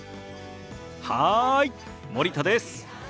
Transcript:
はい森田です。